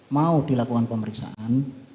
mau dilakukan pemeriksaan